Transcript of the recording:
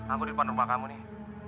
aku di depan rumah kamu nih